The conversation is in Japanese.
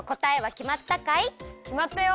きまったよ。